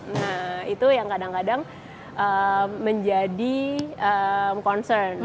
nah itu yang kadang kadang menjadi concern